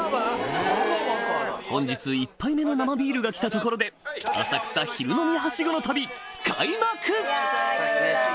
本日１杯目の生ビールが来たところで浅草昼飲みハシゴの旅開幕！